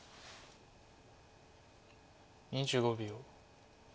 ２５秒。